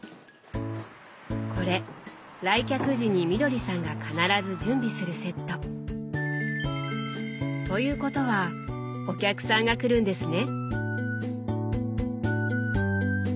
これ来客時にみどりさんが必ず準備するセット。ということはお客さんが来るんですね。